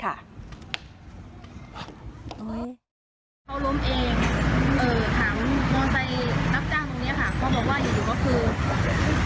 เขาล้มเองหังนอนไปรับจ้างตรงนี้ค่ะ